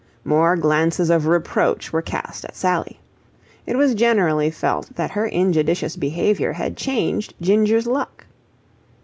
More glances of reproach were cast at Sally. It was generally felt that her injudicious behaviour had changed Ginger's luck.